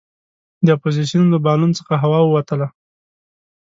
د اپوزیسون له بالون څخه هوا ووتله.